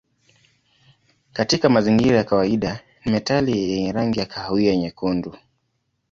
Katika mazingira ya kawaida ni metali yenye rangi ya kahawia nyekundu.